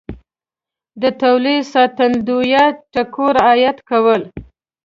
د تولید ساتندویه ټکو رعایت کول